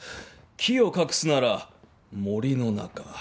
木を隠すなら森の中